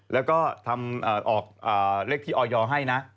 เรียกที่อยให้นะ